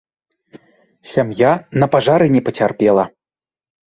Сям'я на пажары не пацярпела.